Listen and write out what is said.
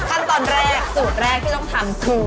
ขั้นตอนแรกสูตรแรกที่ต้องทำคือ